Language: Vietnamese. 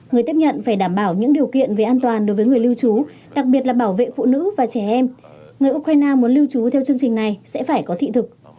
người tiếp nhận phải đảm bảo những điều kiện về an toàn đối với người lưu trú đặc biệt là bảo vệ phụ nữ và trẻ em người ukraine muốn lưu trú theo chương trình này sẽ phải có thị thực